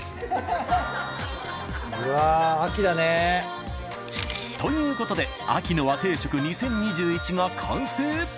うわっ秋だね。ということで秋の和定食２０２１が完成。